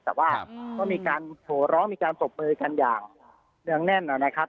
แต่ว่าก็มีการโหร้องมีการตบมือกันอย่างเนื่องแน่นนะครับ